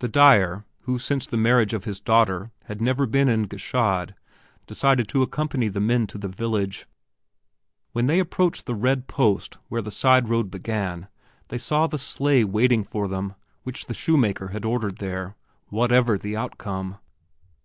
The dyer who since the marriage of his daughter had never been in Gschaid decided to accompany the men to the village. When they approached the red post where the side road began they saw the sleigh waiting for them which the shoemaker had ordered there, whatever the outcome.